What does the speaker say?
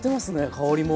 香りも。